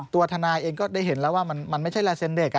ตัวทนายเองก็ได้เห็นแล้วว่ามันไม่ใช่ลายเซ็นต์เด็ก